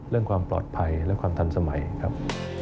เรื่องความปลอดภัยและความทันสมัยครับ